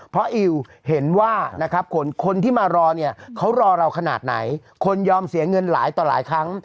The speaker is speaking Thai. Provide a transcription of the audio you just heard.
เพราะอิวเห็นว่านะครับคนที่มารอเนี่ยเขารอเราขนาดไหนคนยอมเสียเงินหลายต่อหลายครั้ง